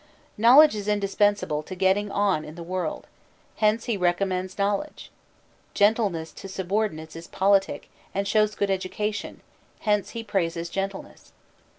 Knowledge is indispensable to getting on in the world; hence he recommends knowledge. Gentleness to subordinates is politic, and shows good education; hence he praises gentleness.